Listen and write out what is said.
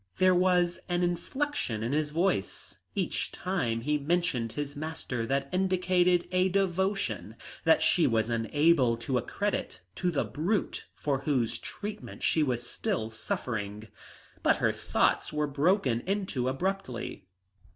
There was an inflection in his voice each time he mentioned his master that indicated a devotion that she was unable to accredit to the brute for whose treatment she was still suffering. But her thoughts were broken into abruptly.